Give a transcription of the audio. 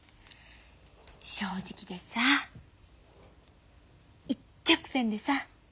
正直でさ一直線でさ